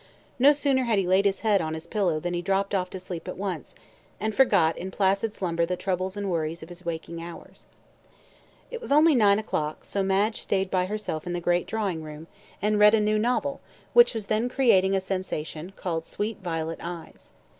No sooner had he laid his head on his pillow than he dropped off to sleep at once, and forgot in placid slumber the troubles and worries of his waking hours. It was only nine o'clock, so Madge stayed by herself in the great drawing room, and read a new novel, which was then creating a sensation, called "Sweet Violet Eyes."